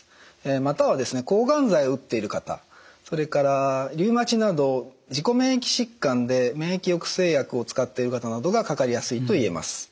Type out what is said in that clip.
またはですね抗がん剤を打っている方それからリウマチなど自己免疫疾患で免疫抑制薬を使っている方などがかかりやすいといえます。